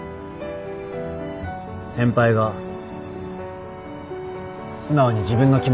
先輩が素直に自分の気持ち言うまで。